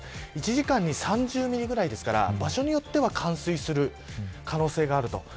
１時間に３０ミリぐらいですから場所によっては冠水する可能性があると。